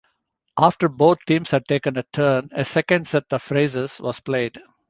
After both teams had taken a turn, a second set of phrases was played.